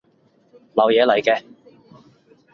流嘢嚟嘅